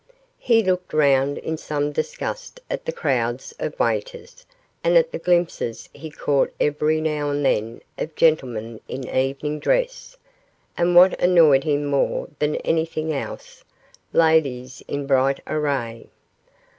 He looked round in some disgust at the crowds of waiters, and at the glimpses he caught every now and then of gentlemen in evening dress, and what annoyed him more than anything else ladies in bright array.